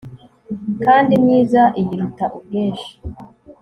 kandi imyiza iyiruta ubwinshi